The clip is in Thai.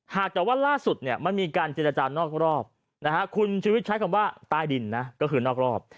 หากจะว่าล่าสุดมันมีการเจรจานอกรอบคุณชีวิตใช้คำว่าใต้ดินนะก็คือนอกรอบ